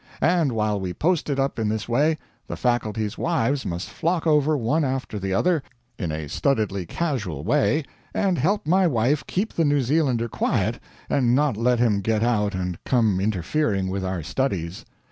And while we posted up in this way, the Faculty's wives must flock over, one after the other, in a studiedly casual way, and help my wife keep the New Zealander quiet, and not let him get out and come interfering with our studies.